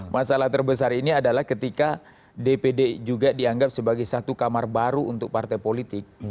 masalah terbesar ini adalah ketika dpd juga dianggap sebagai satu kamar baru untuk partai politik